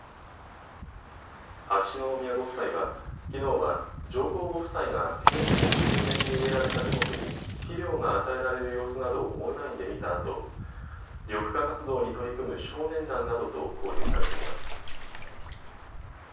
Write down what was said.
秋篠宮ご夫妻はきのうは上皇ご夫妻が平成１９年に植えられた樹木に肥料が与えられる様子などをオンラインで見たあと緑化活動に取り組む少年団などと交流されています。